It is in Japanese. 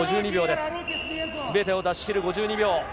すべてを出しきる５２秒。